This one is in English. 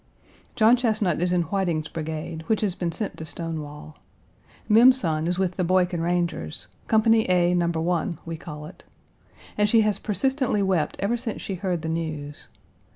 John Chesnut is in Whiting's brigade, which has been sent to Stonewall. Mem's son is with the Boykin Rangers; Company A, No. 1, we call it. And she has persistently wept ever since she heard the news.